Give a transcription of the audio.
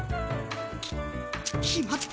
き決まった！